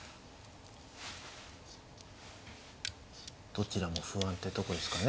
どちらも不安ってとこですかね。